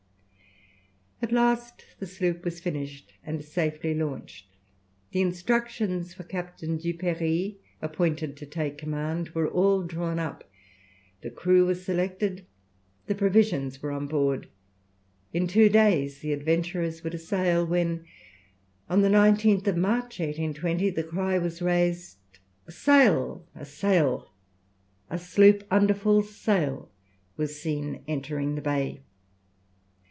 At last the sloop was finished and safely launched. The instructions for Captain Duperrey, appointed to take command, were all drawn up; the crew was selected; the provisions were on board; in two days the adventurers were to sail, when on the 19th March, 1820, the cry was raised, "A sail! a sail!" A sloop under full sail was seen entering the bay.